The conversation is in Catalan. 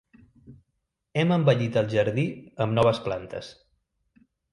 Hem embellit el jardí amb noves plantes.